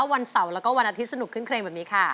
วันเสาร์แล้วก็วันอาทิตยสนุกขึ้นเครงแบบนี้ค่ะ